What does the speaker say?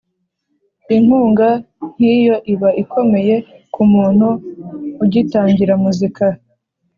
inkunga nk’iyo iba ikomeye ku muntu ugitangira muzika.